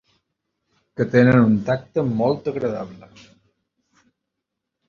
Que tenen un tacte molt agradable.